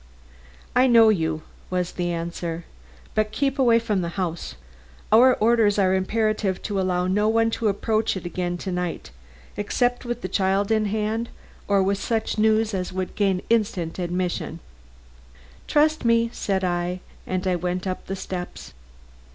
"I know you," was the answer. "But keep away from the house. Our orders are imperative to allow no one to approach it again to night, except with the child in hand or with such news as would gain instant admission." "Trust me," said I, as I went up the steps.